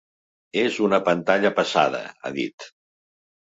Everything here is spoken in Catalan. És una pantalla passada, ha dit.